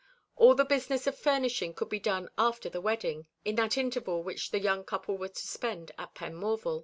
All the business of furnishing could be done after the wedding, in that interval which the young couple were to spend at Penmorval.